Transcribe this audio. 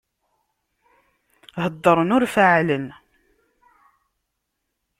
Heddṛen ur faɛlen.